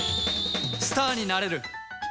スターになれる！